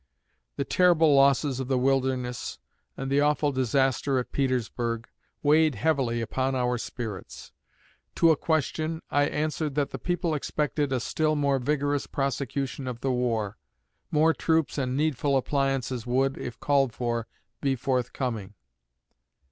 The terrible losses of the Wilderness, and the awful disaster at Petersburg, weighed heavily upon our spirits. To a question, I answered that the people expected a still more vigorous prosecution of the war; more troops and needful appliances would, if called for, be forthcoming.